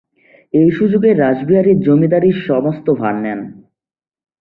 সেই সুযোগে রাসবিহারী জমিদারীর সমস্ত ভার নেন।